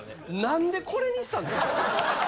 なんでこれにしたんですか？